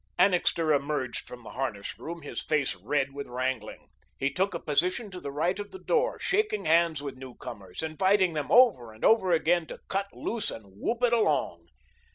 Annixter emerged from the harness room, his face red with wrangling. He took a position to the right of the door, shaking hands with newcomers, inviting them over and over again to cut loose and whoop it along.